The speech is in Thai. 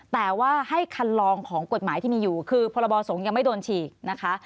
แต่ว่าให้คันลองของกฎหมายที่มีอยู่คือพรบสงฆ์ยังไม่โดนฉีกนะคะ